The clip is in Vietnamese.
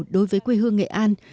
đối với quê hương nghệ an